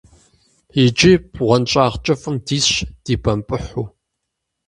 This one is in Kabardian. Иджы бгъуэнщӀагъ кӀыфӀым дисщ, дибэмпӀыхьу.